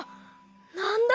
なんだ？